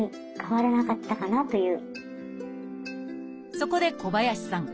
そこで小林さん